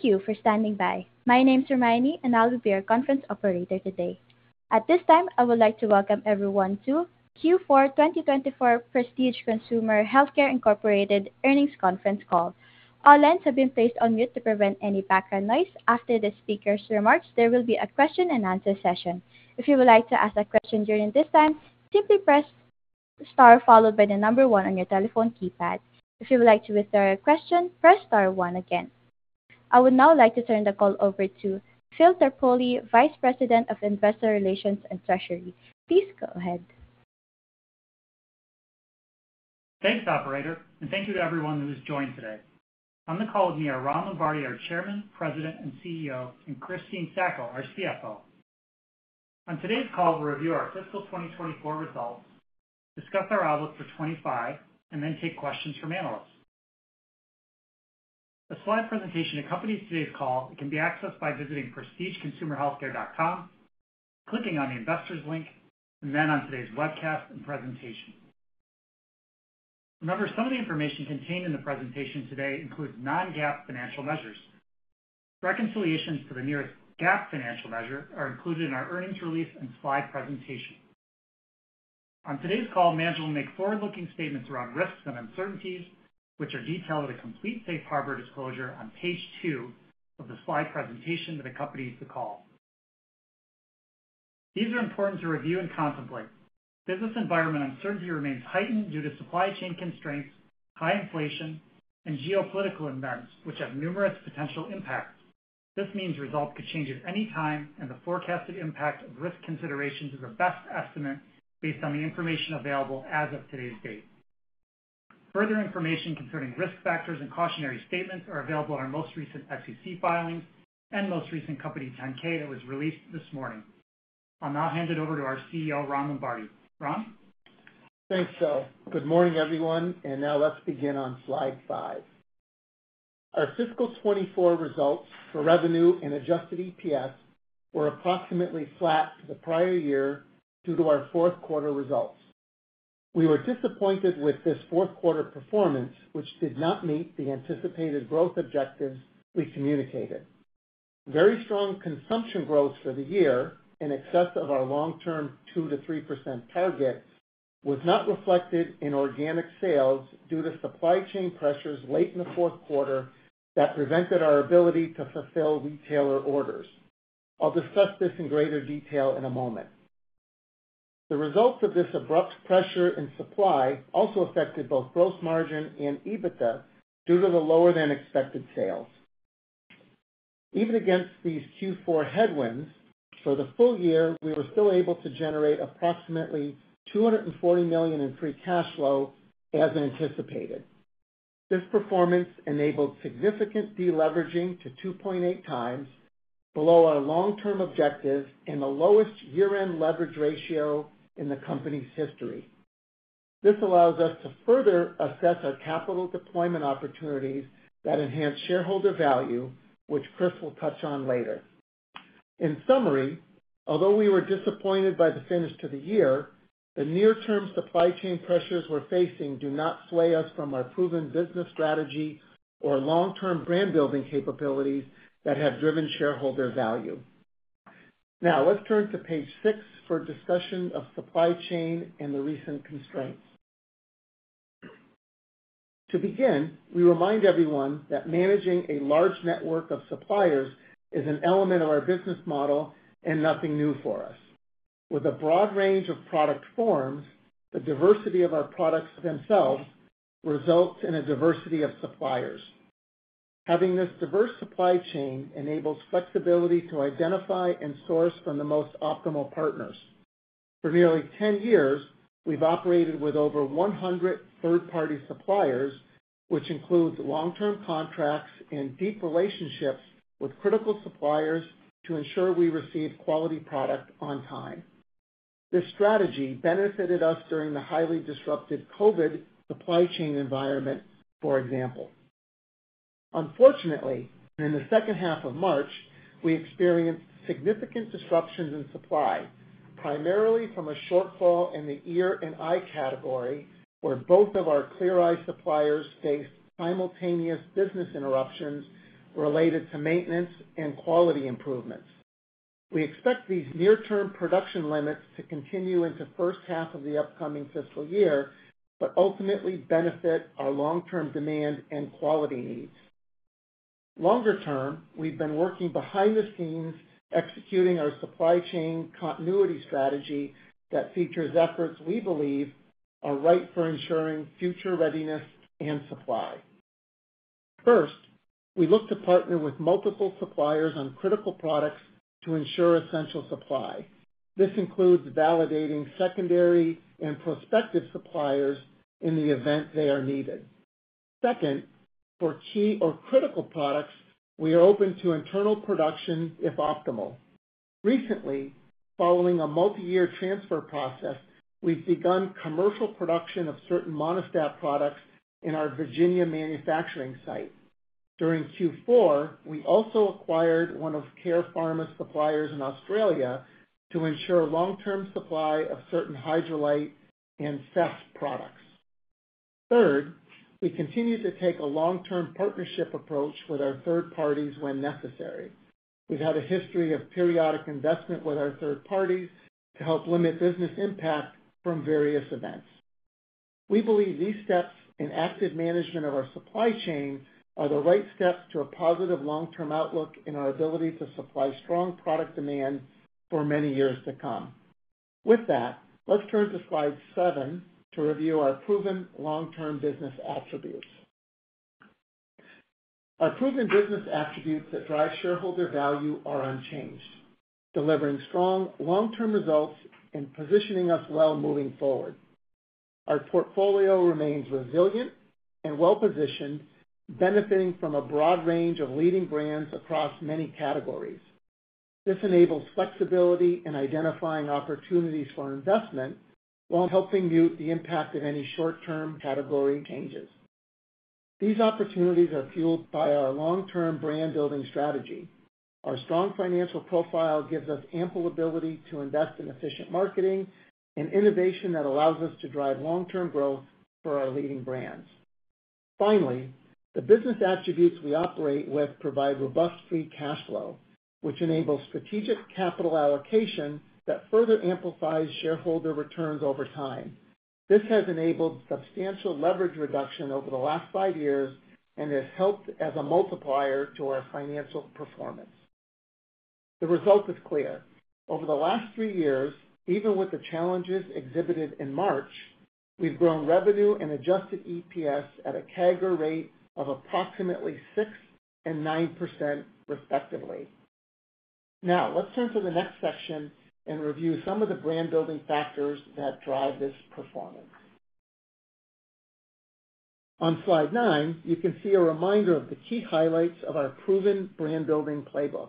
Thank you for standing by. My name is Hermione, and I'll be your conference operator today. At this time, I would like to welcome everyone to Q4 2024 Prestige Consumer Healthcare Incorporated Earnings Conference Call. All lines have been placed on mute to prevent any background noise. After the speaker's remarks, there will be a question-and-answer session. If you would like to ask a question during this time, simply press Star followed by the number one on your telephone keypad. If you would like to withdraw your question, press Star one again. I would now like to turn the call over to Phil Terpolilli, Vice President of Investor Relations and Treasury. Please go ahead. Thanks, operator, and thank you to everyone who has joined today. On the call with me are Ron Lombardi, our Chairman, President, and CEO, and Christine Sacco, our CFO. On today's call, we'll review our fiscal 2024 results, discuss our outlook for 2025, and then take questions from analysts. A slide presentation accompanies today's call. It can be accessed by visiting prestigeconsumerhealthcare.com, clicking on the Investors link, and then on today's webcast and presentation. Remember, some of the information contained in the presentation today includes non-GAAP financial measures. Reconciliations to the nearest GAAP financial measure are included in our earnings release and slide presentation. On today's call, management will make forward-looking statements around risks and uncertainties, which are detailed at a complete safe harbor disclosure on page two of the slide presentation that accompanies the call. These are important to review and contemplate. Business environment uncertainty remains heightened due to supply chain constraints, high inflation, and geopolitical events, which have numerous potential impacts. This means results could change at any time, and the forecasted impact of risk considerations is our best estimate based on the information available as of today's date. Further information concerning risk factors and cautionary statements are available on our most recent SEC filings and most recent Company 10-K that was released this morning. I'll now hand it over to our CEO, Ron Lombardi. Ron? Thanks, Phil. Good morning, everyone, and now let's begin on slide five. Our fiscal 2024 results for revenue and adjusted EPS were approximately flat to the prior year due to our fourth quarter results. We were disappointed with this fourth quarter performance, which did not meet the anticipated growth objectives we communicated. Very strong consumption growth for the year, in excess of our long-term 2%-3% target, was not reflected in organic sales due to supply chain pressures late in the fourth quarter that prevented our ability to fulfill retailer orders. I'll discuss this in greater detail in a moment. The results of this abrupt pressure and supply also affected both gross margin and EBITDA due to the lower-than-expected sales. Even against these Q4 headwinds, for the full year, we were still able to generate approximately $240 million in free cash flow as anticipated. This performance enabled significant deleveraging to 2.8 times, below our long-term objective and the lowest year-end leverage ratio in the company's history. This allows us to further assess our capital deployment opportunities that enhance shareholder value, which Chris will touch on later. In summary, although we were disappointed by the finish to the year, the near-term supply chain pressures we're facing do not sway us from our proven business strategy or long-term brand-building capabilities that have driven shareholder value. Now, let's turn to page 6 for a discussion of supply chain and the recent constraints. To begin, we remind everyone that managing a large network of suppliers is an element of our business model and nothing new for us. With a broad range of product forms, the diversity of our products themselves results in a diversity of suppliers. Having this diverse supply chain enables flexibility to identify and source from the most optimal partners. For nearly 10 years, we've operated with over 100 third-party suppliers, which includes long-term contracts and deep relationships with critical suppliers to ensure we receive quality product on time. This strategy benefited us during the highly disrupted COVID supply chain environment, for example. Unfortunately, in the second half of March, we experienced significant disruptions in supply, primarily from a shortfall in the ear and eye category, where both of our Clear Eyes suppliers faced simultaneous business interruptions related to maintenance and quality improvements. We expect these near-term production limits to continue into the first half of the upcoming fiscal year, but ultimately benefit our long-term demand and quality needs. Longer term, we've been working behind the scenes, executing our supply chain continuity strategy that features efforts we believe are right for ensuring future readiness and supply. First, we look to partner with multiple suppliers on critical products to ensure essential supply. This includes validating secondary and prospective suppliers in the event they are needed. Second, for key or critical products, we are open to internal production, if optimal. Recently, following a multi-year transfer process, we've begun commercial production of certain Monistat products in our Virginia manufacturing site. During Q4, we also acquired one of Care Pharma's suppliers in Australia to ensure long-term supply of certain Hydralyte and Fess products. Third, we continue to take a long-term partnership approach with our third parties when necessary. We've had a history of periodic investment with our third parties to help limit business impact from various events. We believe these steps and active management of our supply chain are the right steps to a positive long-term outlook in our ability to supply strong product demand for many years to come. With that, let's turn to slide seven to review our proven long-term business attributes. Our proven business attributes that drive shareholder value are unchanged, delivering strong long-term results and positioning us well moving forward. Our portfolio remains resilient and well-positioned, benefiting from a broad range of leading brands across many categories. This enables flexibility in identifying opportunities for investment, while helping mute the impact of any short-term category changes. These opportunities are fueled by our long-term brand-building strategy. Our strong financial profile gives us ample ability to invest in efficient marketing and innovation that allows us to drive long-term growth for our leading brands. Finally, the business attributes we operate with provide robust free cash flow, which enables strategic capital allocation that further amplifies shareholder returns over time. This has enabled substantial leverage reduction over the last 5 years and has helped as a multiplier to our financial performance. The result is clear. Over the last 3 years, even with the challenges exhibited in March, we've grown revenue and adjusted EPS at a CAGR rate of approximately 6% and 9%, respectively. Now, let's turn to the next section and review some of the brand-building factors that drive this performance. On slide 9, you can see a reminder of the key highlights of our proven brand-building playbook.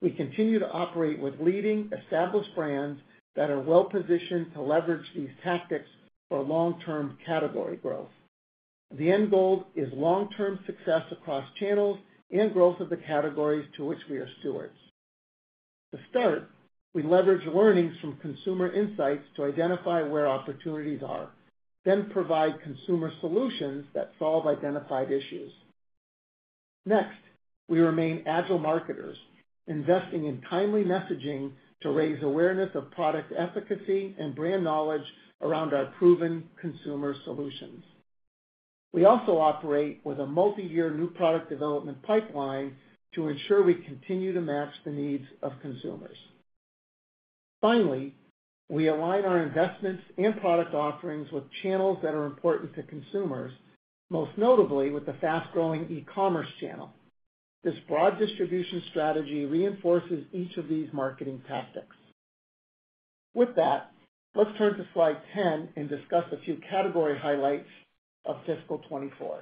We continue to operate with leading, established brands that are well-positioned to leverage these tactics for long-term category growth. The end goal is long-term success across channels and growth of the categories to which we are stewards. To start, we leverage learnings from consumer insights to identify where opportunities are, then provide consumer solutions that solve identified issues. Next, we remain agile marketers, investing in timely messaging to raise awareness of product efficacy and brand knowledge around our proven consumer solutions. We also operate with a multi-year new product development pipeline to ensure we continue to match the needs of consumers. Finally, we align our investments and product offerings with channels that are important to consumers, most notably with the fast-growing e-commerce channel. This broad distribution strategy reinforces each of these marketing tactics. With that, let's turn to slide 10 and discuss a few category highlights of fiscal 2024.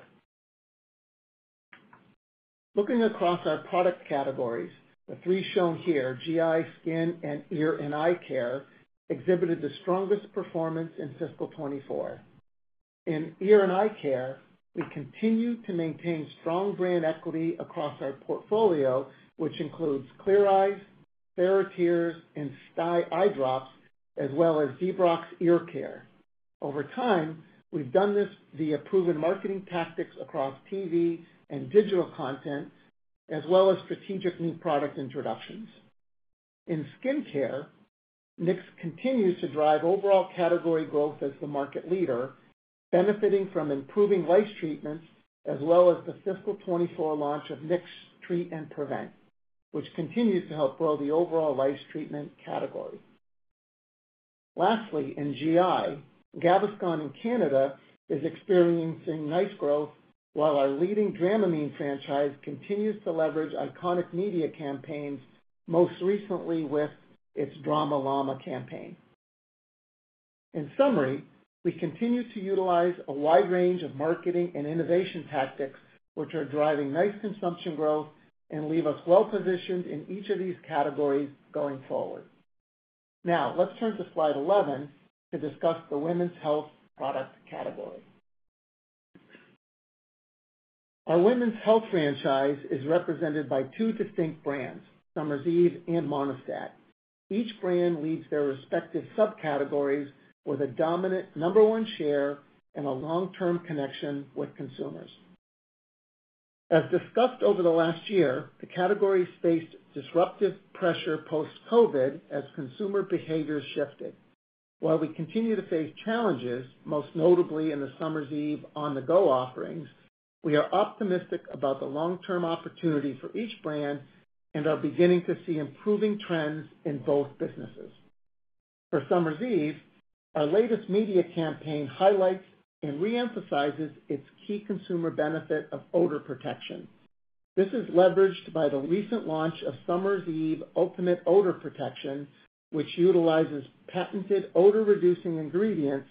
Looking across our product categories, the three shown here, GI, skin, and ear and eye care, exhibited the strongest performance in fiscal 2024. In ear and eye care, we continue to maintain strong brand equity across our portfolio, which includes Clear Eyes, TheraTears, and Stye eye drops, as well as Debrox ear care. Over time, we've done this via proven marketing tactics across TV and digital content, as well as strategic new product introductions. In skin care, Nix continues to drive overall category growth as the market leader, benefiting from improving lice treatments, as well as the fiscal 2024 launch of Nix Treat and Prevent, which continues to help grow the overall lice treatment category. Lastly, in GI, Gaviscon in Canada is experiencing nice growth, while our leading Dramamine franchise continues to leverage iconic media campaigns, most recently with its Drama Llama campaign. In summary, we continue to utilize a wide range of marketing and innovation tactics, which are driving nice consumption growth and leave us well-positioned in each of these categories going forward. Now, let's turn to slide 11 to discuss the women's health product category. Our women's health franchise is represented by two distinct brands, Summer's Eve and Monistat. Each brand leads their respective subcategories with a dominant number one share and a long-term connection with consumers. As discussed over the last year, the categories faced disruptive pressure post-COVID as consumer behaviors shifted. While we continue to face challenges, most notably in the Summer's Eve on-the-go offerings, we are optimistic about the long-term opportunity for each brand and are beginning to see improving trends in both businesses. For Summer's Eve, our latest media campaign highlights and re-emphasizes its key consumer benefit of odor protection. This is leveraged by the recent launch of Summer's Eve Ultimate Odor Protection, which utilizes patented odor-reducing ingredients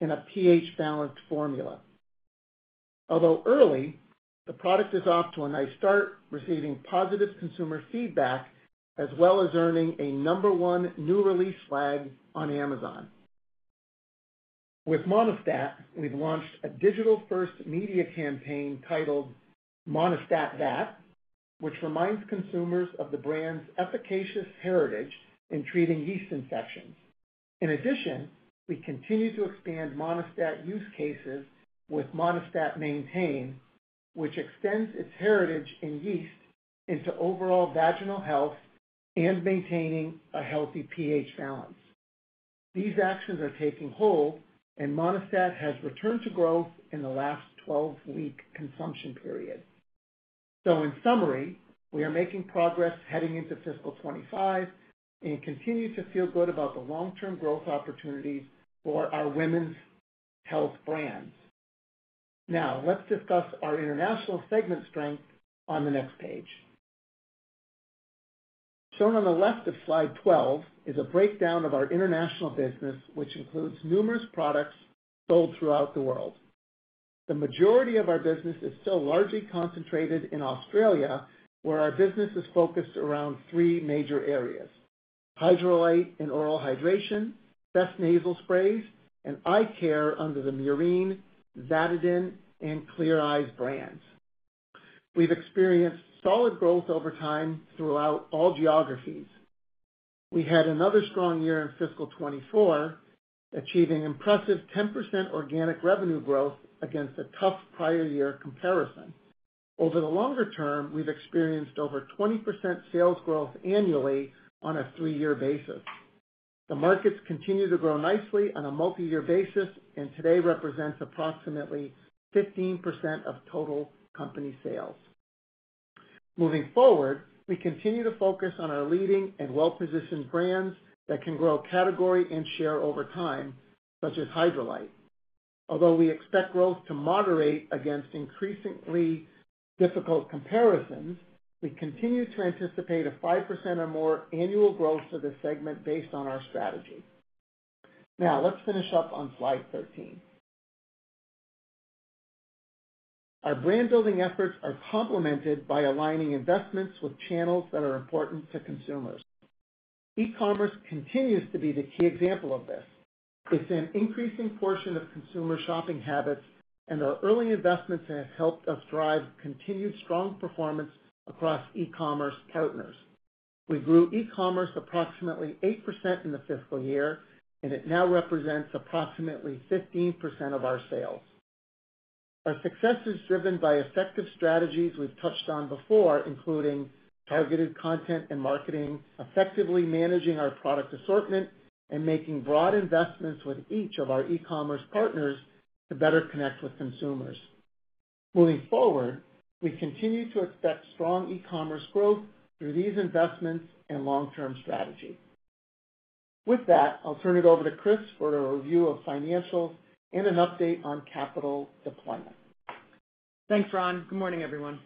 in a pH-balanced formula. Although early, the product is off to a nice start, receiving positive consumer feedback, as well as earning a number one new release flag on Amazon. With Monistat, we've launched a digital-first media campaign titled Monistat That, which reminds consumers of the brand's efficacious heritage in treating yeast infections. In addition, we continue to expand Monistat use cases with Monistat Maintain, which extends its heritage in yeast into overall vaginal health and maintaining a healthy pH balance. These actions are taking hold, and Monistat has returned to growth in the last 12-week consumption period. So in summary, we are making progress heading into fiscal 25 and continue to feel good about the long-term growth opportunities for our women's health brands. Now, let's discuss our international segment strength on the next page. Shown on the left of Slide 12 is a breakdown of our international business, which includes numerous products sold throughout the world. The majority of our business is still largely concentrated in Australia, where our business is focused around three major areas: Hydralyte and oral hydration, Fess nasal sprays, and eye care under the Murine, Zaditen, and Clear Eyes brands. We've experienced solid growth over time throughout all geographies. We had another strong year in fiscal 2024, achieving impressive 10% organic revenue growth against a tough prior year comparison. Over the longer term, we've experienced over 20% sales growth annually on a 3-year basis. The markets continue to grow nicely on a multiyear basis and today represents approximately 15% of total company sales. Moving forward, we continue to focus on our leading and well-positioned brands that can grow category and share over time, such as Hydralyte. Although we expect growth to moderate against increasingly difficult comparisons, we continue to anticipate a 5% or more annual growth for this segment based on our strategy. Now, let's finish up on Slide 13. Our brand-building efforts are complemented by aligning investments with channels that are important to consumers. E-commerce continues to be the key example of this. It's an increasing portion of consumer shopping habits, and our early investments have helped us drive continued strong performance across e-commerce partners. We grew e-commerce approximately 8% in the fiscal year, and it now represents approximately 15% of our sales. Our success is driven by effective strategies we've touched on before, including targeted content and marketing, effectively managing our product assortment, and making broad investments with each of our e-commerce partners to better connect with consumers. Moving forward, we continue to expect strong e-commerce growth through these investments and long-term strategy. With that, I'll turn it over to Chris for a review of financials and an update on capital deployment. Thanks, Ron. Good morning, everyone.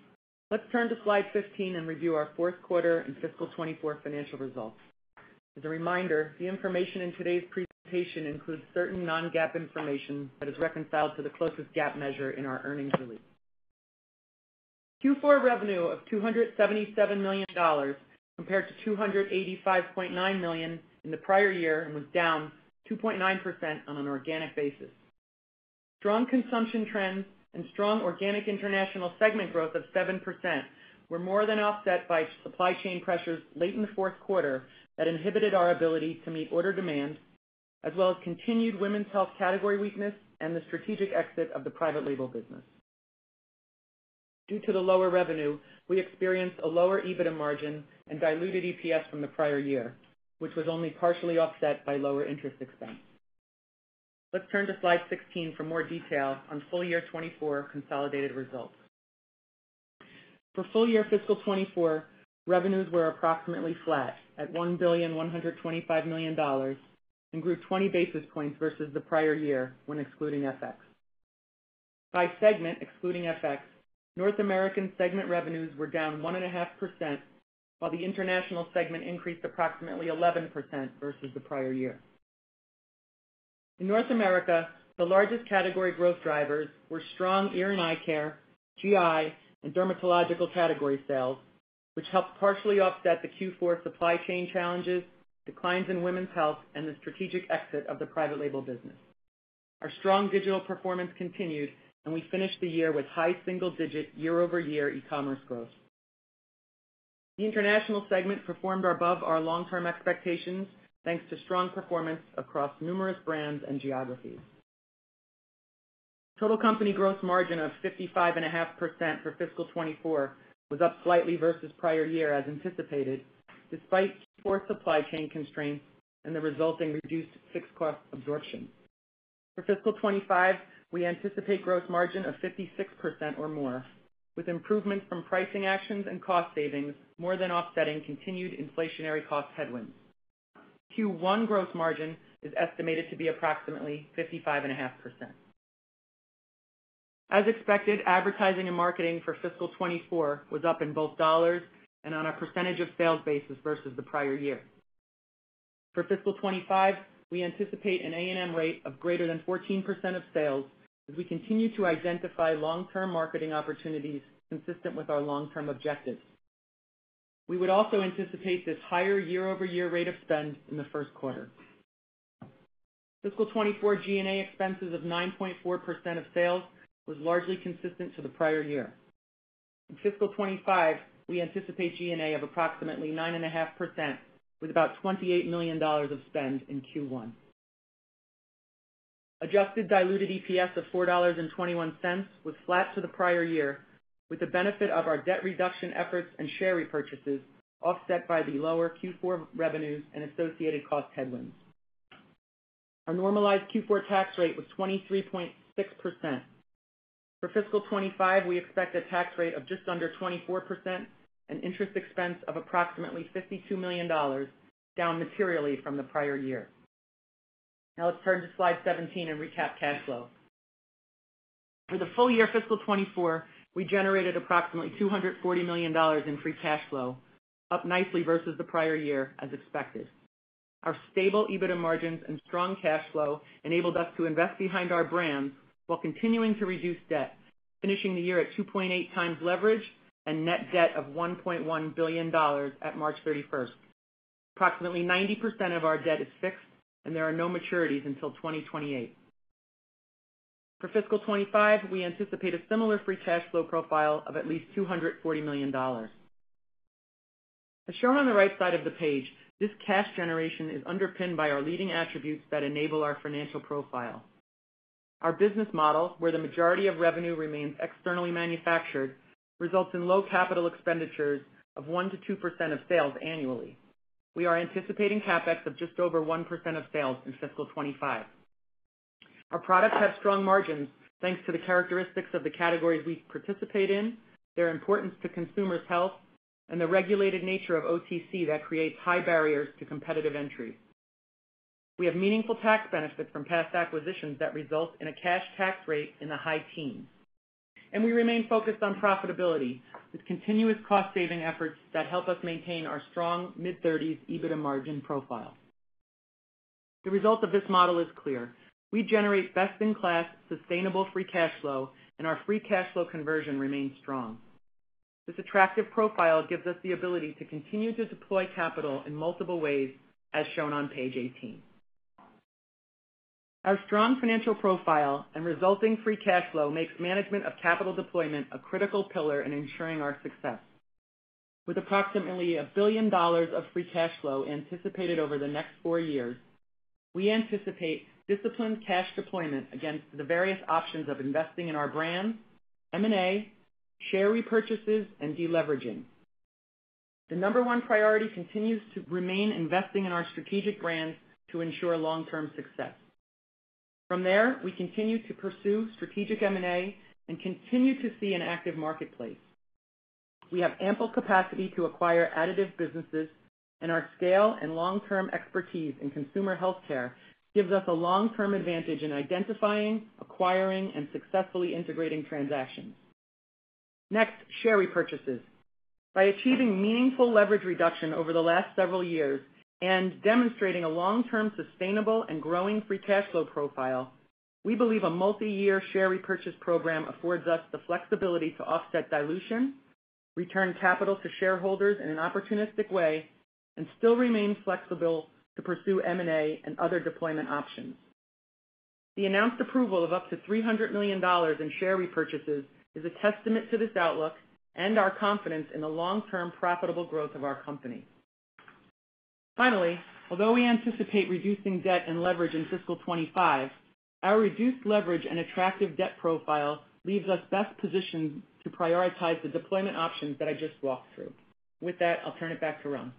Let's turn to Slide 15 and review our fourth quarter and fiscal 2024 financial results. As a reminder, the information in today's presentation includes certain non-GAAP information that is reconciled to the closest GAAP measure in our earnings release. Q4 revenue of $277 million, compared to $285.9 million in the prior year, and was down 2.9% on an organic basis. Strong consumption trends and strong organic international segment growth of 7% were more than offset by supply chain pressures late in the fourth quarter that inhibited our ability to meet order demand, as well as continued women's health category weakness and the strategic exit of the private label business. Due to the lower revenue, we experienced a lower EBITDA margin and diluted EPS from the prior year, which was only partially offset by lower interest expense. Let's turn to Slide 16 for more detail on full year 2024 consolidated results. For full year fiscal 2024, revenues were approximately flat at $1.125 billion, and grew 20 basis points versus the prior year when excluding FX. By segment, excluding FX, North America segment revenues were down 1.5%, while the international segment increased approximately 11% versus the prior year. In North America, the largest category growth drivers were strong ear and eye care, GI, and dermatological category sales, which helped partially offset the Q4 supply chain challenges, declines in women's health, and the strategic exit of the private label business. Our strong digital performance continued, and we finished the year with high single-digit year-over-year e-commerce growth. The international segment performed above our long-term expectations, thanks to strong performance across numerous brands and geographies. Total company gross margin of 55.5% for fiscal 2024 was up slightly versus prior year, as anticipated, despite Q4 supply chain constraints and the resulting reduced fixed cost absorption. For fiscal 2025, we anticipate gross margin of 56% or more, with improvement from pricing actions and cost savings more than offsetting continued inflationary cost headwinds. Q1 gross margin is estimated to be approximately 55.5%. As expected, advertising and marketing for fiscal 2024 was up in both dollars and on a percentage of sales basis versus the prior year. For fiscal 2025, we anticipate an A&M rate of greater than 14% of sales as we continue to identify long-term marketing opportunities consistent with our long-term objectives. We would also anticipate this higher year-over-year rate of spend in the first quarter. Fiscal 2024 G&A expenses of 9.4% of sales was largely consistent to the prior year. In fiscal 2025, we anticipate G&A of approximately 9.5%, with about $28 million of spend in Q1. Adjusted diluted EPS of $4.21 was flat to the prior year, with the benefit of our debt reduction efforts and share repurchases, offset by the lower Q4 revenues and associated cost headwinds. Our normalized Q4 tax rate was 23.6%. For fiscal 2025, we expect a tax rate of just under 24% and interest expense of approximately $52 million, down materially from the prior year. Now let's turn to slide 17 and recap cash flow. For the full year fiscal 2024, we generated approximately $240 million in free cash flow, up nicely versus the prior year, as expected. Our stable EBITDA margins and strong cash flow enabled us to invest behind our brands while continuing to reduce debt, finishing the year at 2.8x leverage and net debt of $1.1 billion at March 31. Approximately 90% of our debt is fixed, and there are no maturities until 2028. For fiscal 2025, we anticipate a similar free cash flow profile of at least $240 million. As shown on the right side of the page, this cash generation is underpinned by our leading attributes that enable our financial profile. Our business model, where the majority of revenue remains externally manufactured, results in low capital expenditures of 1%-2% of sales annually. We are anticipating CapEx of just over 1% of sales in fiscal 2025. Our products have strong margins, thanks to the characteristics of the categories we participate in, their importance to consumers' health, and the regulated nature of OTC that creates high barriers to competitive entry. We have meaningful tax benefits from past acquisitions that result in a cash tax rate in the high teens%, and we remain focused on profitability with continuous cost-saving efforts that help us maintain our strong mid-thirties% EBITDA margin profile. The result of this model is clear: We generate best-in-class, sustainable free cash flow, and our free cash flow conversion remains strong. This attractive profile gives us the ability to continue to deploy capital in multiple ways, as shown on page 18. Our strong financial profile and resulting free cash flow makes management of capital deployment a critical pillar in ensuring our success. With approximately $1 billion of free cash flow anticipated over the next 4 years, we anticipate disciplined cash deployment against the various options of investing in our brands, M&A, share repurchases, and deleveraging. The number one priority continues to remain investing in our strategic brands to ensure long-term success. From there, we continue to pursue strategic M&A and continue to see an active marketplace. We have ample capacity to acquire additive businesses, and our scale and long-term expertise in consumer healthcare gives us a long-term advantage in identifying, acquiring, and successfully integrating transactions. Next, share repurchases. By achieving meaningful leverage reduction over the last several years and demonstrating a long-term, sustainable and growing free cash flow profile, we believe a multiyear share repurchase program affords us the flexibility to offset dilution, return capital to shareholders in an opportunistic way, and still remain flexible to pursue M&A and other deployment options. The announced approval of up to $300 million in share repurchases is a testament to this outlook and our confidence in the long-term profitable growth of our company. Finally, although we anticipate reducing debt and leverage in fiscal 2025, our reduced leverage and attractive debt profile leaves us best positioned to prioritize the deployment options that I just walked through. With that, I'll turn it back to Ron.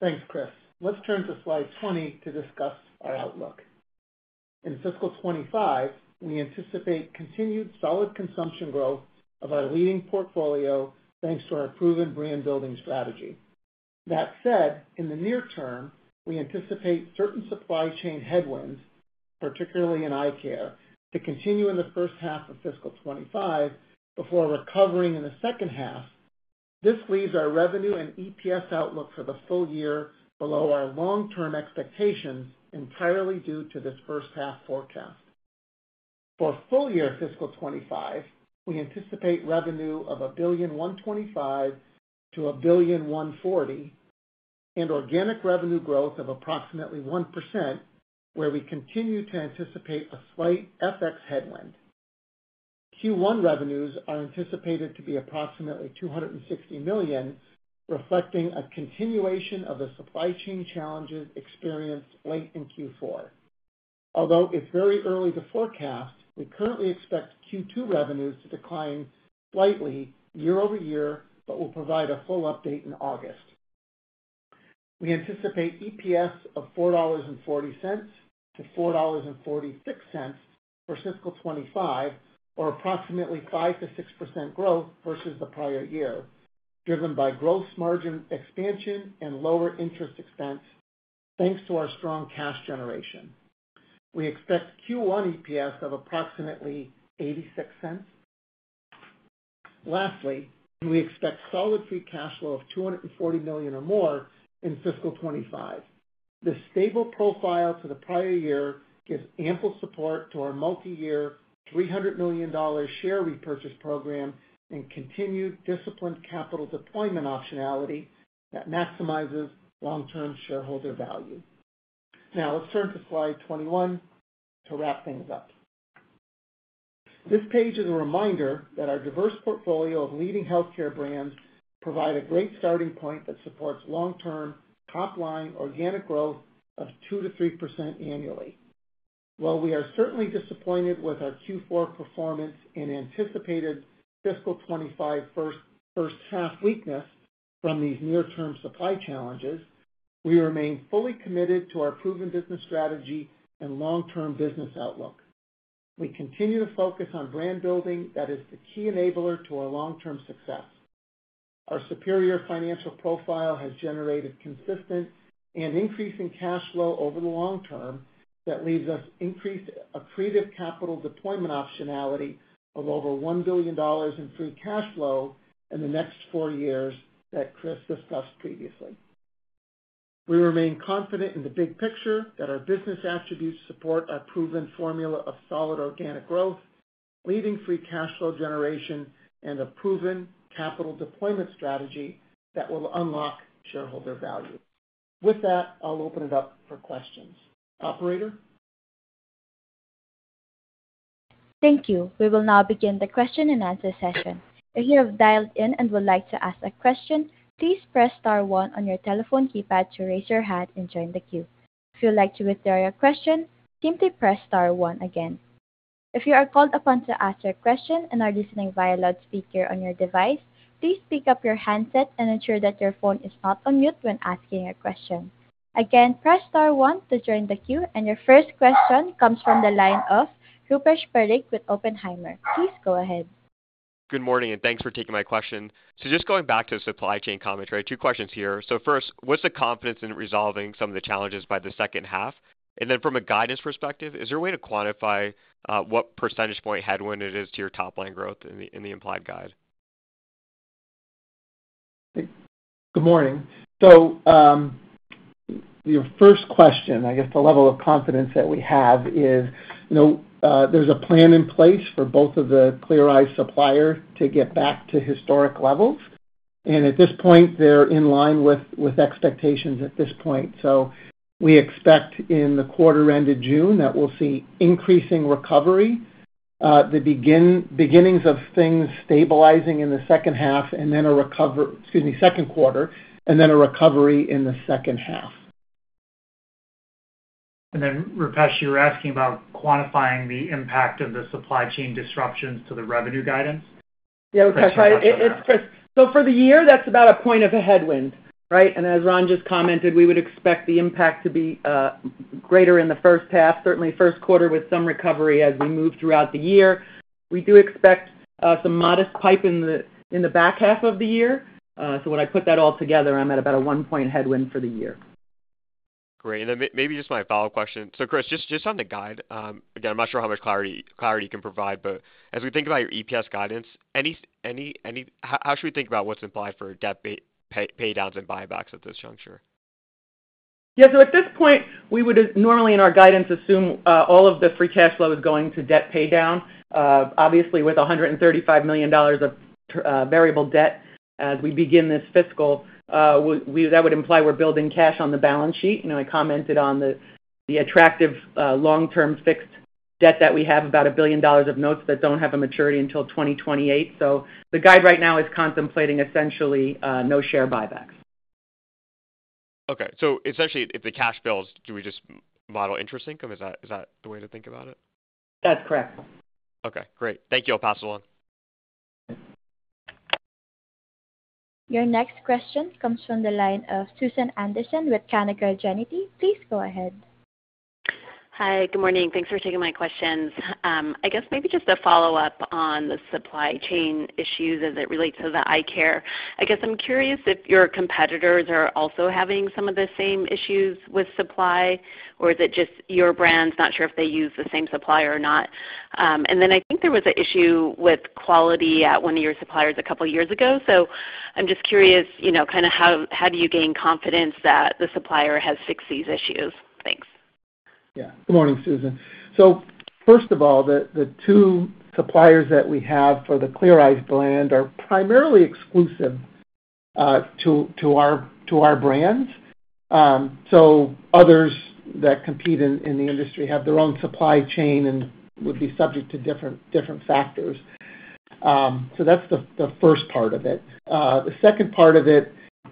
Thanks, Chris. Let's turn to slide 20 to discuss our outlook. In fiscal 2025, we anticipate continued solid consumption growth of our leading portfolio, thanks to our proven brand-building strategy. That said, in the near term, we anticipate certain supply chain headwinds, particularly in eye care, to continue in the first half of fiscal 2025 before recovering in the second half. This leaves our revenue and EPS outlook for the full year below our long-term expectations, entirely due to this first half forecast. For full-year fiscal 2025, we anticipate revenue of $1.025 billion-$1.040 billion, and organic revenue growth of approximately 1%, where we continue to anticipate a slight FX headwind. Q1 revenues are anticipated to be approximately $260 million, reflecting a continuation of the supply chain challenges experienced late in Q4. Although it's very early to forecast, we currently expect Q2 revenues to decline slightly year over year, but we'll provide a full update in August. We anticipate EPS of $4.40-$4.46 for fiscal 2025, or approximately 5%-6% growth versus the prior year, driven by gross margin expansion and lower interest expense, thanks to our strong cash generation. We expect Q1 EPS of approximately $0.86. Lastly, we expect solid free cash flow of $240 million or more in fiscal 2025. This stable profile to the prior year gives ample support to our multiyear, $300 million share repurchase program and continued disciplined capital deployment optionality that maximizes long-term shareholder value. Now, let's turn to slide 21 to wrap things up. This page is a reminder that our diverse portfolio of leading healthcare brands provide a great starting point that supports long-term top-line organic growth of 2%-3% annually. While we are certainly disappointed with our Q4 performance and anticipated fiscal 2025 first half weakness from these near-term supply challenges, we remain fully committed to our proven business strategy and long-term business outlook. We continue to focus on brand building. That is the key enabler to our long-term success. Our superior financial profile has generated consistent and increasing cash flow over the long term that leaves us increased accretive capital deployment optionality of over $1 billion in free cash flow in the next four years that Chris discussed previously. We remain confident in the big picture that our business attributes support our proven formula of solid organic growth, leading free cash flow generation, and a proven capital deployment strategy that will unlock shareholder value. With that, I'll open it up for questions. Operator? Thank you. We will now begin the question-and-answer session. If you have dialed in and would like to ask a question, please press star one on your telephone keypad to raise your hand and join the queue. If you'd like to withdraw your question, simply press star one again. If you are called upon to ask your question and are listening via loudspeaker on your device, please pick up your handset and ensure that your phone is not on mute when asking a question. Again, press star one to join the queue, and your first question comes from the line of Rupesh Parikh with Oppenheimer. Please go ahead. Good morning, and thanks for taking my question. So just going back to the supply chain commentary, two questions here. So first, what's the confidence in resolving some of the challenges by the second half? And then from a guidance perspective, is there a way to quantify what percentage point headwind it is to your top line growth in the implied guide? Good morning. So, your first question, I guess the level of confidence that we have is, you know, there's a plan in place for both of the Clear Eyes suppliers to get back to historic levels. And at this point, they're in line with expectations at this point. So we expect in the quarter ended June, that we'll see increasing recovery, the beginnings of things stabilizing in the second quarter, and then a recovery in the second half. Rupesh, you were asking about quantifying the impact of the supply chain disruptions to the revenue guidance? Yeah, okay, so for the year, that's about a point of a headwind, right? And as Ron just commented, we would expect the impact to be greater in the first half, certainly first quarter, with some recovery as we move throughout the year. We do expect some modest pipe in the back half of the year. So when I put that all together, I'm at about a one-point headwind for the year. Great. Then maybe just my follow-up question. So Chris, just on the guide, again, I'm not sure how much clarity you can provide, but as we think about your EPS guidance, any—how should we think about what's implied for debt paydowns and buybacks at this juncture? Yeah. So at this point, we would normally, in our guidance, assume all of the free cash flow is going to debt paydown. Obviously, with $135 million of variable debt as we begin this fiscal, that would imply we're building cash on the balance sheet. You know, I commented on the attractive long-term fixed debt that we have, about $1 billion of notes that don't have a maturity until 2028. So the guide right now is contemplating essentially no share buybacks. Okay. So essentially, if the cash builds, do we just model interest income? Is that, is that the way to think about it? That's correct. Okay, great. Thank you. I'll pass along. Your next question comes from the line of Susan Anderson with Canaccord Genuity. Please go ahead. Hi, good morning. Thanks for taking my questions. I guess maybe just a follow-up on the supply chain issues as it relates to the eye care. I guess I'm curious if your competitors are also having some of the same issues with supply, or is it just your brands? Not sure if they use the same supplier or not. And then I think there was an issue with quality at one of your suppliers a couple of years ago. So I'm just curious, you know, kind of how do you gain confidence that the supplier has fixed these issues? Thanks. Yeah. Good morning, Susan. So first of all, the two suppliers that we have for the Clear Eyes brand are primarily exclusive to our brands. So others that compete in the industry have their own supply chain and would be subject to different factors. So that's the first part of it. The second part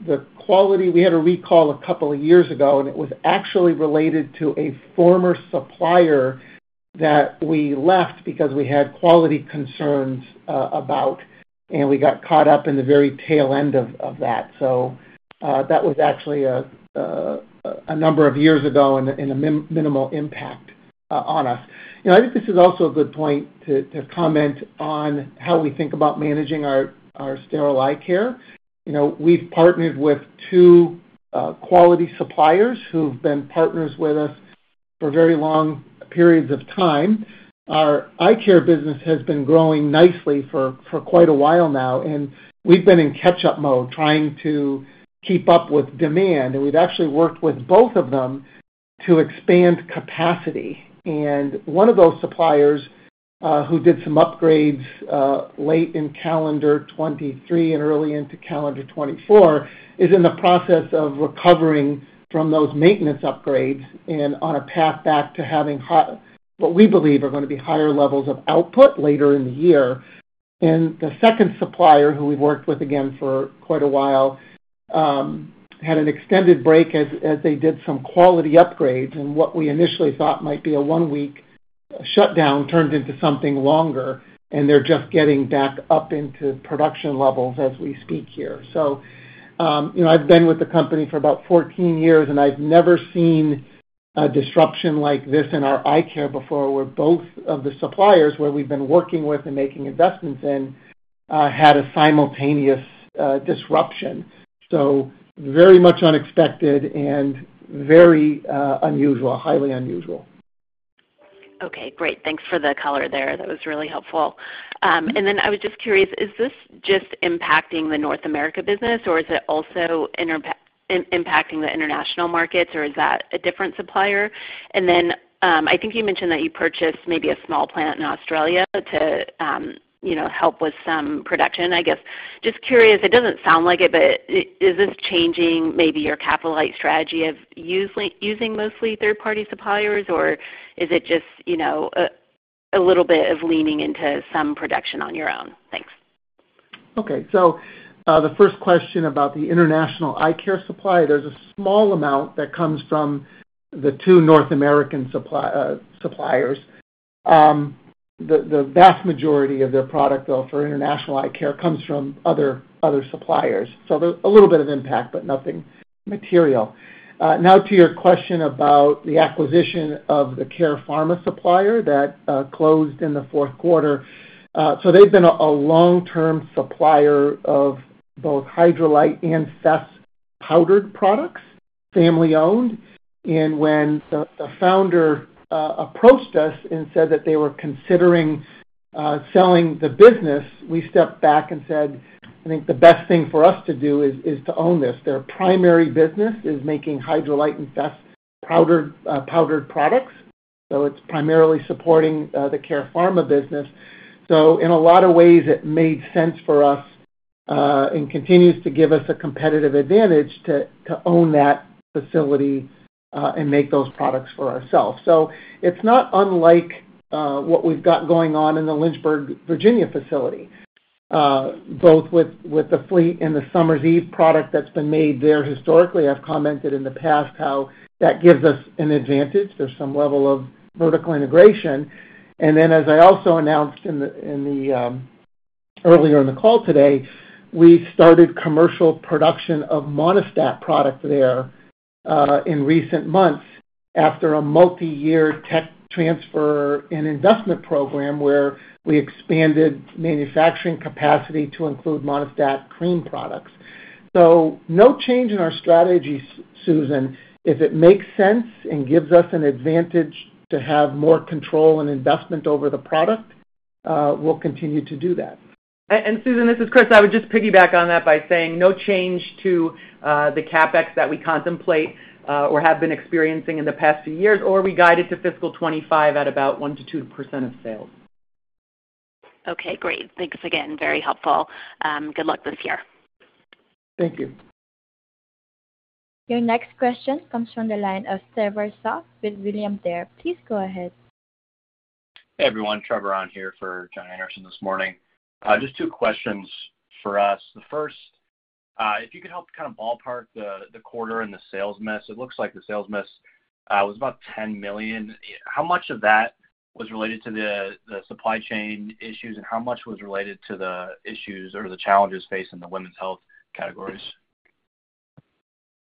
of it, the quality. We had a recall a couple of years ago, and it was actually related to a former supplier that we left because we had quality concerns, and we got caught up in the very tail end of that. So that was actually a number of years ago and a minimal impact on us. You know, I think this is also a good point to comment on how we think about managing our sterile eye care. You know, we've partnered with two quality suppliers who've been partners with us for very long periods of time. Our eye care business has been growing nicely for quite a while now, and we've been in catch-up mode, trying to keep up with demand, and we've actually worked with both of them to expand capacity. And one of those suppliers who did some upgrades late in calendar 2023 and early into calendar 2024 is in the process of recovering from those maintenance upgrades and on a path back to having high—what we believe are going to be higher levels of output later in the year. The second supplier, who we've worked with again for quite a while, had an extended break as they did some quality upgrades, and what we initially thought might be a 1-week shutdown turned into something longer, and they're just getting back up into production levels as we speak here. So, you know, I've been with the company for about 14 years, and I've never seen a disruption like this in our eye care before, where both of the suppliers, where we've been working with and making investments in, had a simultaneous disruption. So very much unexpected and very unusual, highly unusual. Okay, great. Thanks for the color there. That was really helpful. And then I was just curious, is this just impacting the North America business, or is it also impacting the international markets, or is that a different supplier? And then, I think you mentioned that you purchased maybe a small plant in Australia to, you know, help with some production. I guess, just curious, it doesn't sound like it, but is this changing maybe your capital light strategy of using mostly third-party suppliers, or is it just, you know, a little bit of leaning into some production on your own? Thanks. Okay. So, the first question about the international eye care supply, there's a small amount that comes from the two North American suppliers. The vast majority of their product, though, for international eye care comes from other suppliers. So there's a little bit of impact, but nothing material. Now to your question about the acquisition of the Care Pharma supplier that closed in the fourth quarter. So they've been a long-term supplier of both Hydralyte and Fess powdered products, family-owned. And when the founder approached us and said that they were considering selling the business, we stepped back and said, "I think the best thing for us to do is to own this." Their primary business is making Hydralyte and Fess powdered products, so it's primarily supporting the Care Pharma business. So in a lot of ways, it made sense for us, and continues to give us a competitive advantage to, to own that facility, and make those products for ourselves. So it's not unlike, what we've got going on in the Lynchburg, Virginia, facility, both with, with the Fleet and the Summer's Eve product that's been made there historically. I've commented in the past how that gives us an advantage. There's some level of vertical integration. And then, as I also announced in the, in the, earlier in the call today, we started commercial production of Monistat product there, in recent months, after a multiyear tech transfer and investment program, where we expanded manufacturing capacity to include Monistat cream products. So no change in our strategy, Susan. If it makes sense and gives us an advantage to have more control and investment over the product, we'll continue to do that. Susan, this is Chris. I would just piggyback on that by saying no change to the CapEx that we contemplate or have been experiencing in the past few years, or we guided to fiscal 2025 at about 1%-2% of sales. Okay, great. Thanks again. Very helpful. Good luck this year. Thank you. Your next question comes from the line of Trevor Allred with William Blair. Please go ahead. Hey, everyone, Trevor on here for Jon Andersen this morning. Just two questions for us. The first, if you could help kind of ballpark the quarter and the sales miss, it looks like the sales miss was about $10 million. How much of that was related to the supply chain issues, and how much was related to the issues or the challenges facing the women's health categories?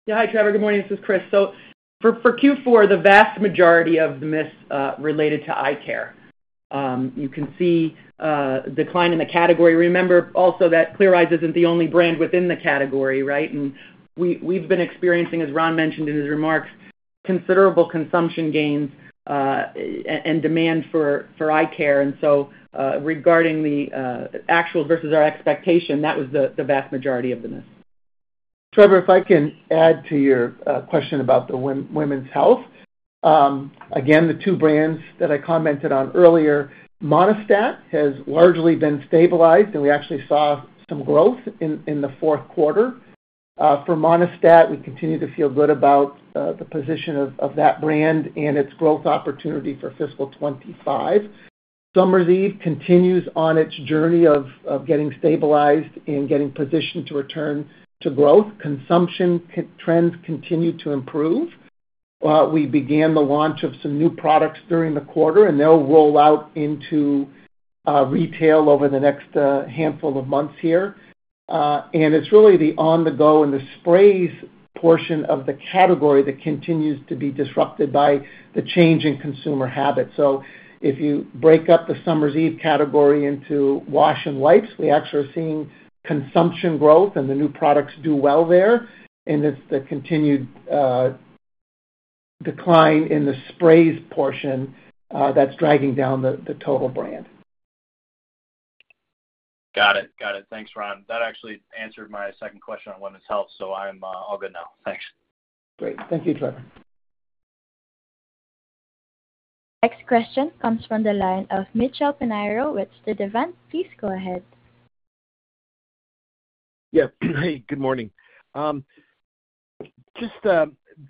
Yeah. Hi, Trevor. Good morning. This is Chris. So for Q4, the vast majority of the miss related to eye care. You can see decline in the category. Remember also that Clear Eyes isn't the only brand within the category, right? And we, we've been experiencing, as Ron mentioned in his remarks, considerable consumption gains and demand for eye care. And so, regarding the actual versus our expectation, that was the vast majority of the miss. Trevor, if I can add to your question about the women's health. Again, the two brands that I commented on earlier, Monistat, has largely been stabilized, and we actually saw some growth in the fourth quarter. For Monistat, we continue to feel good about the position of that brand and its growth opportunity for fiscal 25. Summer's Eve continues on its journey of getting stabilized and getting positioned to return to growth. Consumption trends continue to improve. We began the launch of some new products during the quarter, and they'll roll out into retail over the next handful of months here. And it's really the on-the-go and the sprays portion of the category that continues to be disrupted by the change in consumer habits. So if you break up the Summer's Eve category into wash and wipes, we actually are seeing consumption growth and the new products do well there, and it's the continued decline in the sprays portion that's dragging down the total brand. Got it. Got it. Thanks, Ron. That actually answered my second question on women's health, so I'm all good now. Thanks. Great. Thank you, Trevor. Next question comes from the line of Mitchell Pinheiro with Sturdivant & Co. Please go ahead.... Yeah. Hey, good morning. Just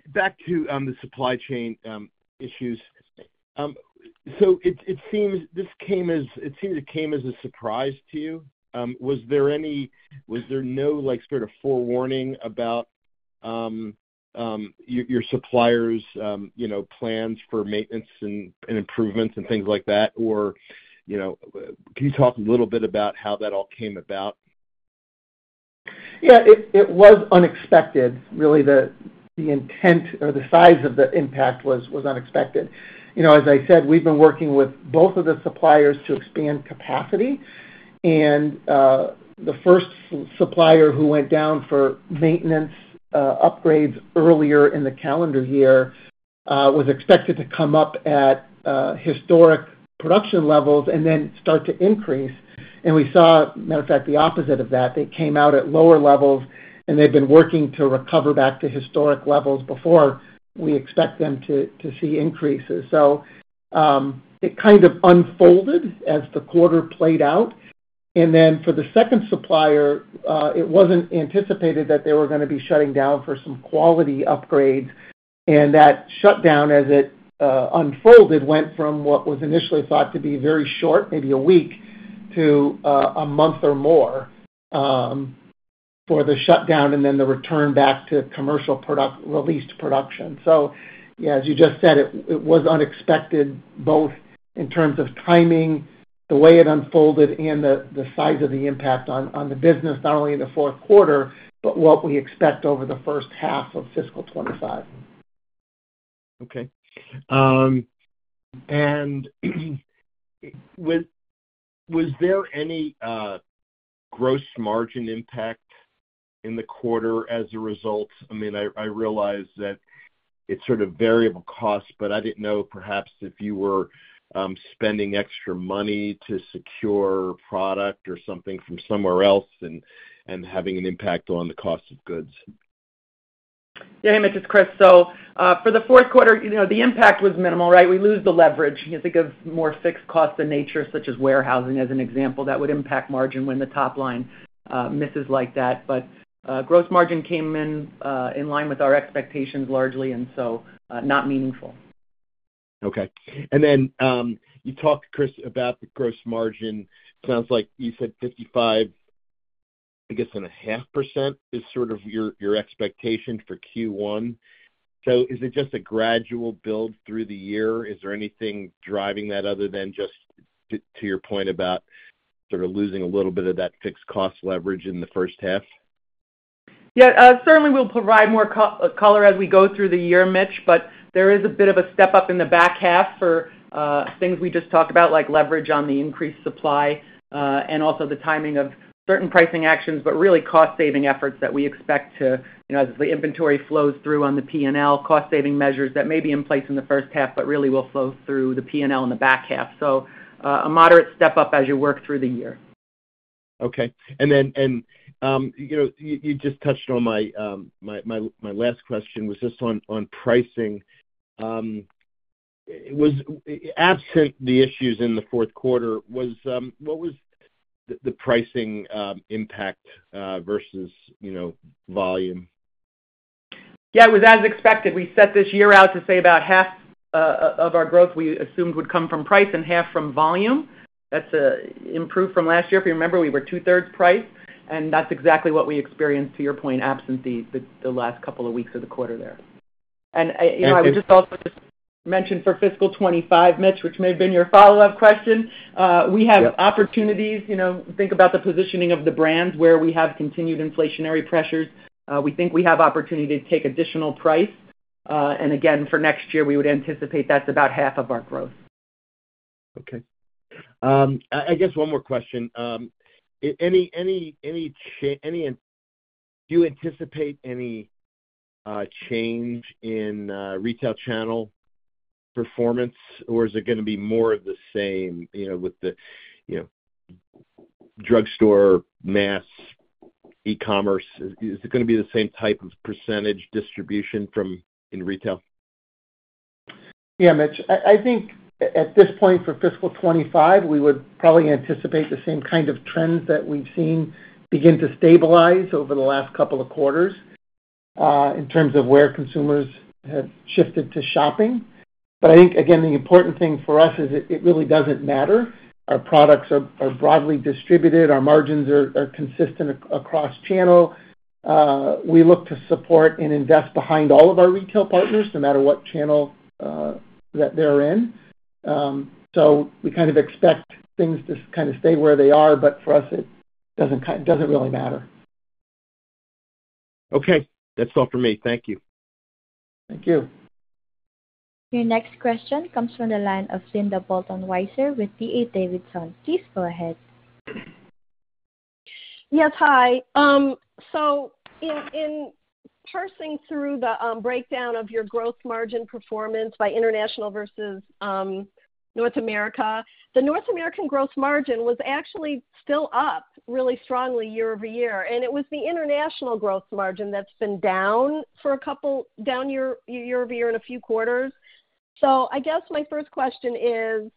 back to the supply chain issues. So it seems this came as a surprise to you. Was there no, like, sort of forewarning about your suppliers' plans for maintenance and improvements and things like that? Or, you know, can you talk a little bit about how that all came about? Yeah, it was unexpected, really, the intent or the size of the impact was unexpected. You know, as I said, we've been working with both of the suppliers to expand capacity. And, the first supplier who went down for maintenance, upgrades earlier in the calendar year, was expected to come up at historic production levels and then start to increase. And we saw, matter of fact, the opposite of that. They came out at lower levels, and they've been working to recover back to historic levels before we expect them to see increases. So, it kind of unfolded as the quarter played out. And then for the second supplier, it wasn't anticipated that they were gonna be shutting down for some quality upgrades, and that shutdown, as it unfolded, went from what was initially thought to be very short, maybe a week, to a month or more for the shutdown, and then the return back to commercial product-released production. So, yeah, as you just said, it was unexpected, both in terms of timing, the way it unfolded, and the size of the impact on the business, not only in the fourth quarter, but what we expect over the first half of fiscal 25. Okay. And was there any gross margin impact in the quarter as a result? I mean, I realize that it's sort of variable costs, but I didn't know perhaps if you were spending extra money to secure product or something from somewhere else and having an impact on the cost of goods. Yeah, Mitch, it's Chris. So, for the fourth quarter, you know, the impact was minimal, right? We lose the leverage. You think of more fixed costs in nature, such as warehousing, as an example, that would impact margin when the top line misses like that. But, gross margin came in in line with our expectations, largely, and so, not meaningful. Okay. And then, you talked, Chris, about the gross margin. Sounds like you said 55.5%, I guess, is sort of your, your expectation for Q1. So is it just a gradual build through the year? Is there anything driving that other than just, to your point about sort of losing a little bit of that fixed cost leverage in the first half? Yeah, certainly, we'll provide more color as we go through the year, Mitch. But there is a bit of a step-up in the back half for things we just talked about, like leverage on the increased supply, and also the timing of certain pricing actions, but really cost-saving efforts that we expect to, you know, as the inventory flows through on the P&L, cost-saving measures that may be in place in the first half, but really will flow through the P&L in the back half. So, a moderate step-up as you work through the year. Okay. And then, you know, you just touched on my last question, was just on pricing. Absent the issues in the fourth quarter, what was the pricing impact versus, you know, volume? Yeah, it was as expected. We set this year out to say about half of our growth, we assumed, would come from price and half from volume. That's improved from last year. If you remember, we were 2/3 price, and that's exactly what we experienced, to your point, absent the last couple of weeks of the quarter there. You know, I would also just mention for fiscal 2025, Mitch, which may have been your follow-up question. Yep. - We have opportunities, you know, think about the positioning of the brands where we have continued inflationary pressures. We think we have opportunity to take additional price. And again, for next year, we would anticipate that's about half of our growth. Okay. I guess one more question. Do you anticipate any change in retail channel performance, or is it gonna be more of the same, you know, with the, you know, drugstore, mass, e-commerce? Is it gonna be the same type of percentage distribution from in retail? Yeah, Mitch. I think at this point, for fiscal 25, we would probably anticipate the same kind of trends that we've seen begin to stabilize over the last couple of quarters, in terms of where consumers have shifted to shopping. But I think, again, the important thing for us is it really doesn't matter. Our products are broadly distributed. Our margins are consistent across channel. We look to support and invest behind all of our retail partners, no matter what channel that they're in. So we kind of expect things to kind of stay where they are, but for us, it doesn't really matter. Okay. That's all for me. Thank you. Thank you. Your next question comes from the line of Linda Bolton Weiser with D.A. Davidson. Please go ahead. Yes, hi. So in parsing through the breakdown of your gross margin performance by international versus North America, the North American gross margin was actually still up really strongly year-over-year, and it was the international gross margin that's been down year-over-year in a few quarters. So I guess my first question is: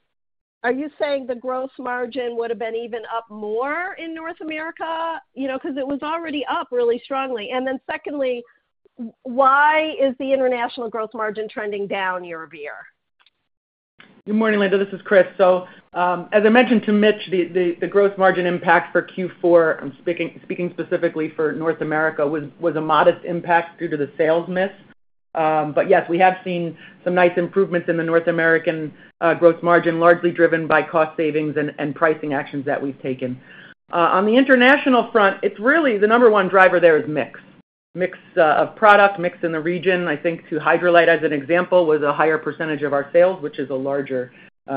Are you saying the gross margin would have been even up more in North America? You know, because it was already up really strongly. And then secondly, why is the international gross margin trending down year-over-year? Good morning, Linda. This is Chris. So, as I mentioned to Mitch, the gross margin impact for Q4, I'm speaking specifically for North America, was a modest impact due to the sales miss. But yes, we have seen some nice improvements in the North American gross margin, largely driven by cost savings and pricing actions that we've taken. On the international front, it's really, the number one driver there is mix. Mix of product mix in the region, I think to Hydralyte, as an example, was a higher percentage of our sales, which is a larger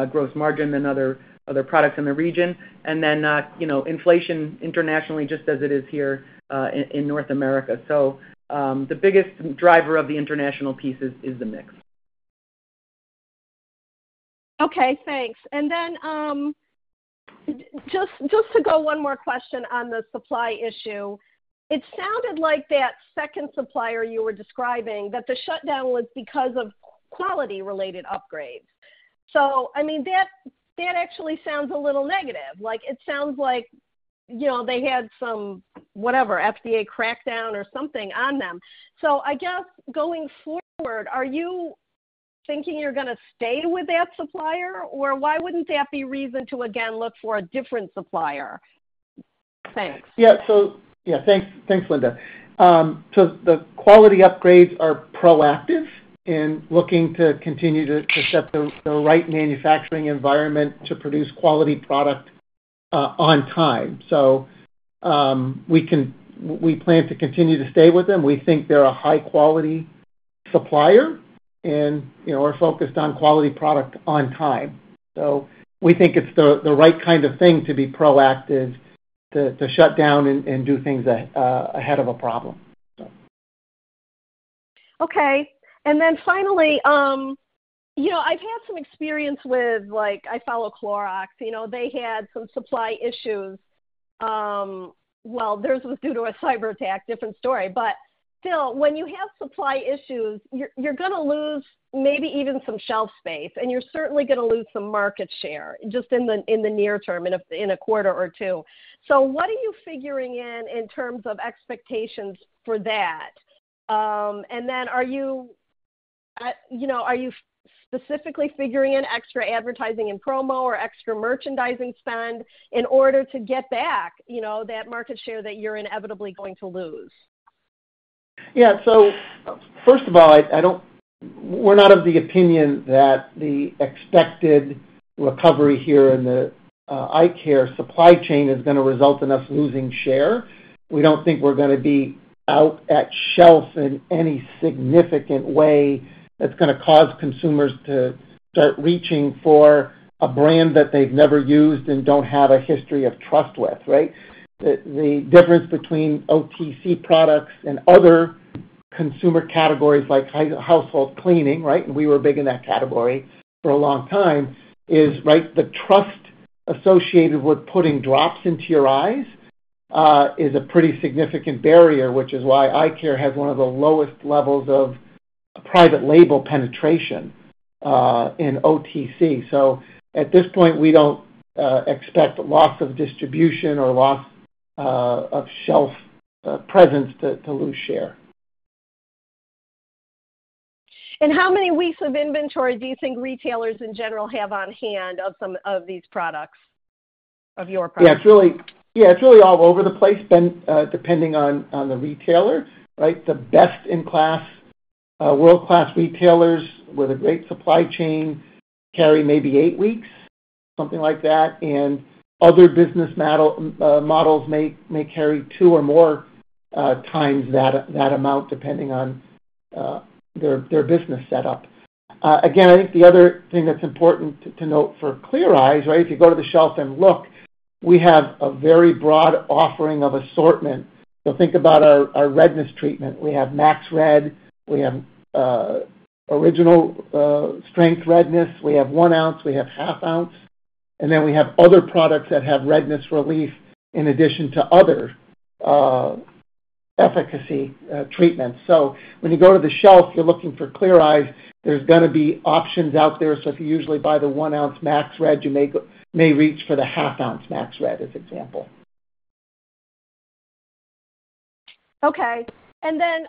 gross margin than other products in the region. And then, you know, inflation internationally, just as it is here in North America. So, the biggest driver of the international pieces is the mix. Okay, thanks. And then, just to go one more question on the supply issue. It sounded like that second supplier you were describing, that the shutdown was because of quality-related upgrades. So I mean, that actually sounds a little negative. Like, it sounds like, you know, they had some, whatever, FDA crackdown or something on them. So I guess going forward, are you thinking you're gonna stay with that supplier? Or why wouldn't that be reason to, again, look for a different supplier? Thanks. Yeah. So, yeah, thanks, thanks, Linda. So the quality upgrades are proactive in looking to continue to set the right manufacturing environment to produce quality product on time. So, we can, we plan to continue to stay with them. We think they're a high-quality supplier and, you know, are focused on quality product on time. So we think it's the right kind of thing to be proactive, to shut down and do things ahead of a problem, so. Okay. And then finally, you know, I've had some experience with like... I follow Clorox, you know, they had some supply issues. Well, theirs was due to a cyberattack, different story, but still, when you have supply issues, you're gonna lose maybe even some shelf space, and you're certainly gonna lose some market share, just in the near term, in a quarter or two. So what are you figuring in terms of expectations for that? And then are you, you know, are you specifically figuring in extra advertising and promo or extra merchandising spend in order to get back, you know, that market share that you're inevitably going to lose? Yeah. So first of all, I don't... We're not of the opinion that the expected recovery here in the eye care supply chain is gonna result in us losing share. We don't think we're gonna be out at shelf in any significant way that's gonna cause consumers to start reaching for a brand that they've never used and don't have a history of trust with, right? The difference between OTC products and other consumer categories like household cleaning, right, and we were big in that category for a long time, is, right, the trust associated with putting drops into your eyes is a pretty significant barrier, which is why eye care has one of the lowest levels of private label penetration in OTC. So at this point, we don't expect loss of distribution or loss of shelf presence to lose share. How many weeks of inventory do you think retailers in general have on hand of some of these products, of your products? Yeah, it's really, yeah, it's really all over the place, depending on the retailer, right? The best-in-class, world-class retailers with a great supply chain carry maybe eight weeks, something like that, and other business models may carry two or more times that amount, depending on their business setup. Again, I think the other thing that's important to note for Clear Eyes, right, if you go to the shelf and look, we have a very broad offering of assortment. So think about our redness treatment. We have Max Red, we have Original Strength redness, we have one ounce, we have half ounce, and then we have other products that have redness relief in addition to other efficacy treatments. When you go to the shelf, you're looking for Clear Eyes, there's gonna be options out there. So if you usually buy the 1-ounce Max Red, you may go... may reach for the half-ounce Max Red, as an example. Okay. And then,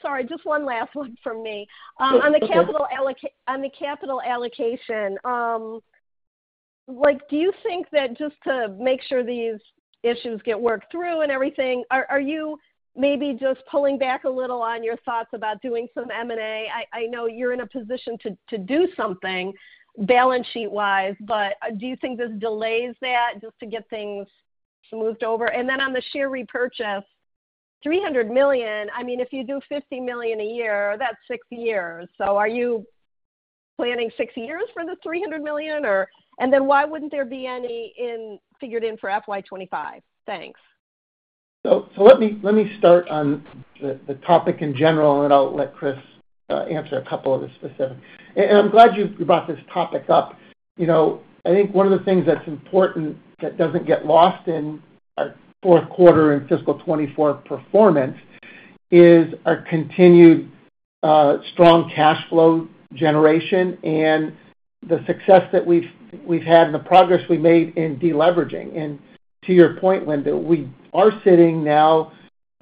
sorry, just one last one from me. Sure. Okay. On the capital allocation, like, do you think that just to make sure these issues get worked through and everything, are you maybe just pulling back a little on your thoughts about doing some M&A? I know you're in a position to do something balance sheet-wise, but do you think this delays that just to get things moved over? And then on the share repurchase, $300 million, I mean, if you do $50 million a year, that's six years. So are you planning six years for the $300 million or... And then why wouldn't there be any figured in for FY 25? Thanks. So let me start on the topic in general, and then I'll let Chris answer a couple of the specifics. And I'm glad you brought this topic up. You know, I think one of the things that's important that doesn't get lost in our fourth quarter and fiscal 2024 performance is our continued strong cash flow generation and the success that we've had and the progress we made in deleveraging. And to your point, Linda, we are sitting now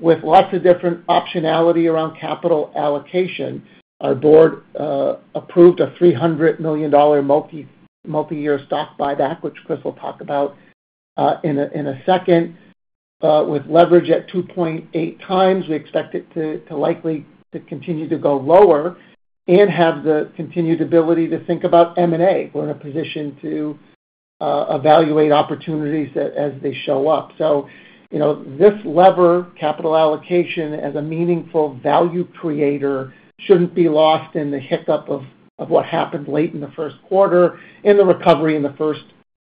with lots of different optionality around capital allocation. Our board approved a $300 million multi-year stock buyback, which Chris will talk about in a second. With leverage at 2.8 times, we expect it to likely continue to go lower and have the continued ability to think about M&A. We're in a position to evaluate opportunities as they show up. So you know, this lever, capital allocation, as a meaningful value creator, shouldn't be lost in the hiccup of what happened late in the first quarter, in the recovery in the first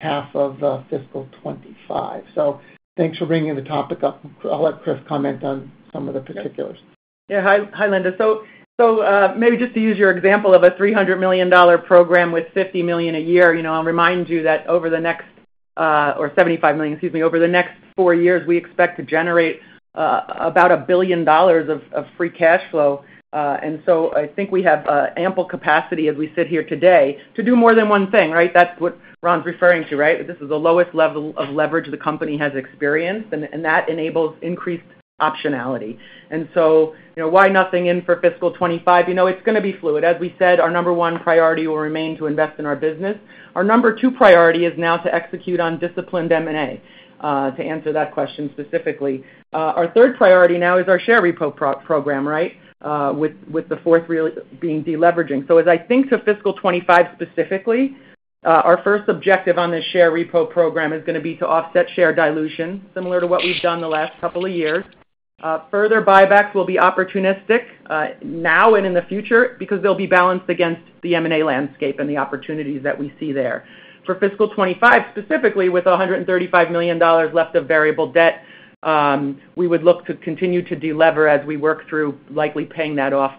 half of fiscal 2025. So thanks for bringing the topic up. I'll let Chris comment on some of the particulars. Yeah. Hi, hi, Linda. So, maybe just to use your example of a $300 million program with $50 million a year, you know, I'll remind you that over the next—or $75 million, excuse me. Over the next four years, we expect to generate about $1 billion of free cash flow. And so I think we have ample capacity as we sit here today to do more than one thing, right? That's what Ron's referring to, right? This is the lowest level of leverage the company has experienced, and that enables increased optionality. And so you know, why nothing in for fiscal 2025? You know, it's gonna be fluid. As we said, our number one priority will remain to invest in our business. Our number two priority is now to execute on disciplined M&A, to answer that question specifically. Our third priority now is our share repo program, right? With the fourth really being deleveraging. So as I think to fiscal 2025 specifically, our first objective on this share repo program is gonna be to offset share dilution, similar to what we've done the last couple of years. Further buybacks will be opportunistic, now and in the future, because they'll be balanced against the M&A landscape and the opportunities that we see there. For fiscal 2025, specifically, with $135 million left of variable debt, we would look to continue to delever as we work through, likely paying that off,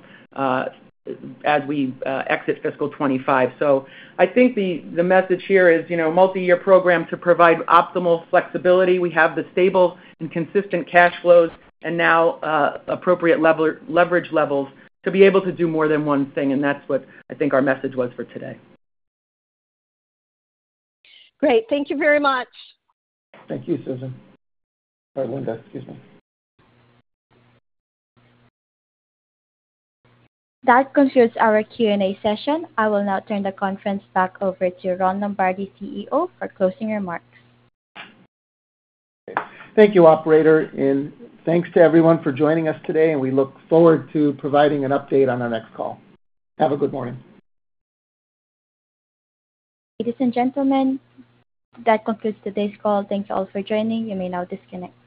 as we exit fiscal 2025. So I think the message here is, you know, multi-year program to provide optimal flexibility. We have the stable and consistent cash flows and now appropriate leverage levels to be able to do more than one thing, and that's what I think our message was for today. Great. Thank you very much. Thank you, Susan. Or Linda, excuse me. That concludes our Q&A session. I will now turn the conference back over to Ron Lombardi, CEO, for closing remarks. Thank you, operator, and thanks to everyone for joining us today, and we look forward to providing an update on our next call. Have a good morning. Ladies and gentlemen, that concludes today's call. Thanks, all, for joining. You may now disconnect.